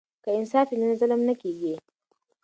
که انصاف وي نو ظلم نه کیږي.